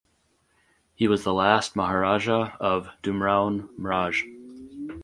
He was the last Maharaja of Dumraon Raj.